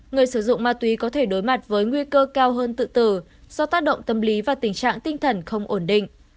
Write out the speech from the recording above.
người sử dụng ma túy có thể đối mặt với nguy cơ cao hơn tự tử do tác động tâm lý và tình trạng tinh thần không ổn định